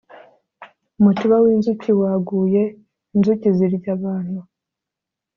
Umutiba winzuki waguye inzuki zirya abantu